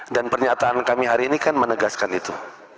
pernyataan kami hari ini kan menegaskan itu